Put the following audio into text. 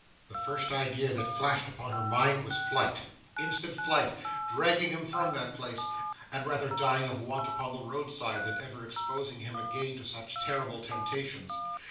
The first idea that flashed upon her mind was flight, instant flight; dragging him from that place, and rather dying of want upon the roadside, than ever exposing him again to such terrible temptations.